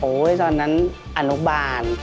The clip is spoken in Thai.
ตอนนั้นอนุบาล